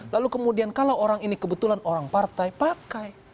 lalu kemudian kalau orang ini kebetulan orang partai pakai